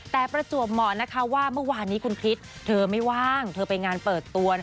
แต่ประจวบหมอนว่าเมื่อวานนี้คุณคริสเธอไม่ว่างเธอไปงานเปิดตัว